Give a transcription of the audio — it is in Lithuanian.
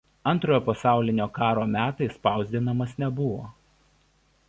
Antrojo pasaulinio karo metais spausdinamas nebuvo.